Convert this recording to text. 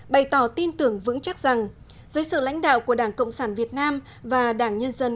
bày tỏ tin tưởng vững chắc rằng dưới sự lãnh đạo của đảng cộng sản việt nam và đảng nhân dân